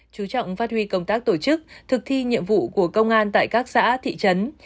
chú trọng phát huy công tác tổ chức thực thi nhiệm vụ của công an tại các xã thị trấn